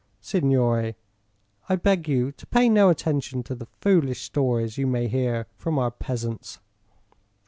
"Signore, I beg you to pay no attention to the foolish stories you may hear from our peasants.